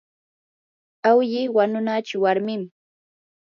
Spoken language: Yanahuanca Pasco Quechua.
awlli wanunachi warmin.